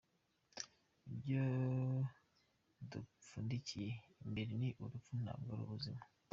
Ibyo dupfundikiye imbere ni urupfu ntabwo ari ubuzima.